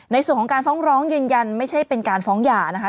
ในส่วนของการฟ้องร้องยืนยันไม่ใช่เป็นการฟ้องหย่านะคะ